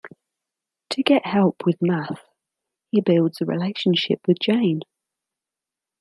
To get help with math, he builds a relationship with Jane.